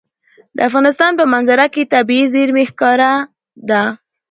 د افغانستان په منظره کې طبیعي زیرمې ښکاره ده.